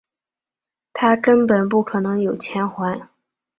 他根本不可能有钱还